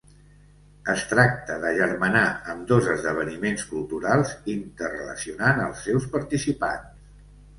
Es tracta d’agermanar ambdós esdeveniments culturals interrelacionant els seus participants.